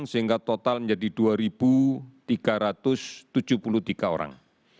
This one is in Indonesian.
sehingga total menjadi dua tiga ratus tujuh puluh tiga orang